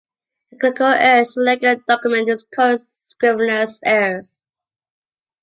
A clerical error in a legal document is called a scrivener's error.